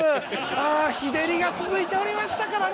ああ日照りが続いておりましたからな。